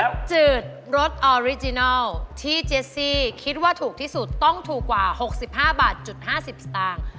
จืดรสออริจินัลที่เจสซี่คิดว่าถูกที่สุดต้องถูกกว่า๖๕บาทจุด๕๐สตางค์